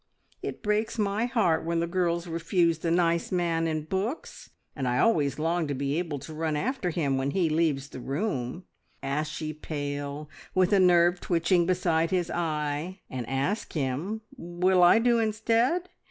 ... It breaks my heart when the girls refuse the nice man in books, and I always long to be able to run after him when he leaves the room ashy pale, with a nerve twitching beside his eye and ask him will I do instead!